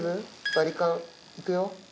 バリカン行くよ。